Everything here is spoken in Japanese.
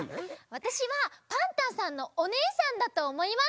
わたしはパンタンさんのおねえさんだとおもいます。